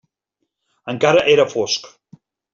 Encara era fosc.